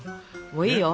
もういいよ。